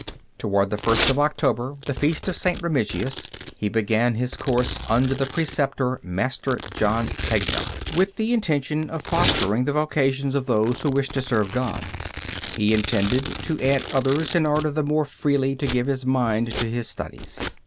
Toward the first of October, the feast of St. Remigius, he began his course under the preceptor Master John Pegna, with the intention of fostering the vocations of those who wished to serve God. He intended to add others in order the more freely to give his mind to his studies.